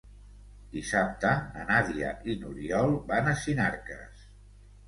Dissabte na Nàdia i n'Oriol van a Sinarques.